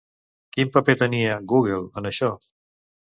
Quin paper tenia, Google, en això?